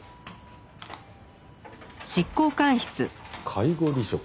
介護離職？